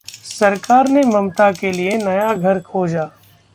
सरकार ने ममता के लिए नया घर खोजा